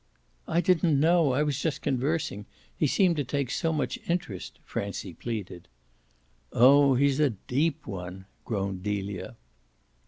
"I didn't know. I was just conversing. He seemed to take so much interest," Francie pleaded. "Oh he's a deep one!" groaned Delia.